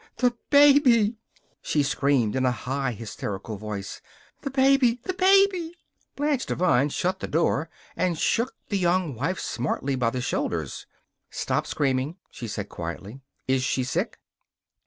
"The baby!" she screamed in a high, hysterical voice. "The baby! The baby !" Blanche Devine shut the door and shook the Young Wife smartly by the shoulders. "Stop screaming," she said quietly. "Is she sick?"